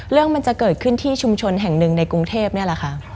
เรื่องมันจะเกิดขึ้นที่ชุมชนแห่งหนึ่งในกรุงเทพนี่แหละค่ะ